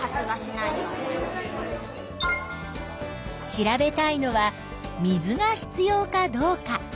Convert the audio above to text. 調べたいのは水が必要かどうか。